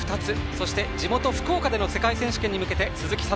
そして地元・福岡での世界選手権に向けて鈴木彩